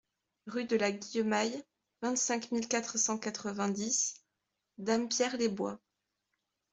Rue de la Guillemaille, vingt-cinq mille quatre cent quatre-vingt-dix Dampierre-les-Bois